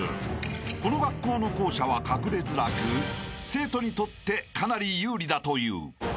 ［この学校の校舎は隠れづらく生徒にとってかなり有利だという］